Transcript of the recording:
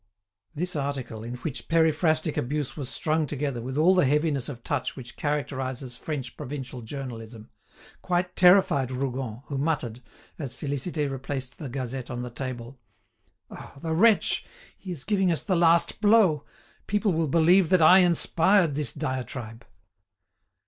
This article, in which periphrastic abuse was strung together with all the heaviness of touch which characterises French provincial journalism, quite terrified Rougon, who muttered, as Félicité replaced the "Gazette" on the table: "Ah! the wretch! he is giving us the last blow; people will believe that I inspired this diatribe."